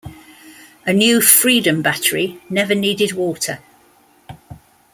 A new Freedom battery never needed water.